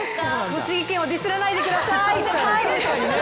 栃木県をディスらないでください！